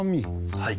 はい。